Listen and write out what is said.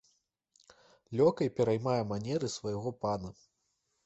Лёкай пераймае манеры свайго пана.